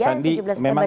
mas sandi memang adalah